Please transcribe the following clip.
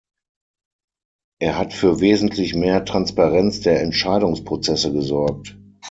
Er hat für wesentlich mehr Transparenz der Entscheidungsprozesse gesorgt.